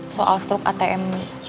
soal struk atm